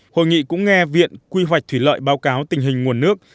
hội nghị cũng nghe viện quy hoạch thủy lợi báo cáo tình hình nguồn nước